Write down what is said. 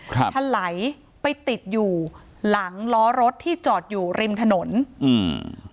ทะไหลไปติดอยู่หลังล้อรถที่จอดอยู่ริมถนนอืม